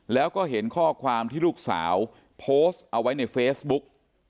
แล้วก็เห็นข้อความที่ลูกสาวโพสต์เอาไว้ในเฟซบุ๊ก